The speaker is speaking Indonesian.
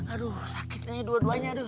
aduh sakit nih dua duanya aduh